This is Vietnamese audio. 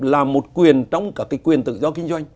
là một quyền trong các quyền tự do kinh doanh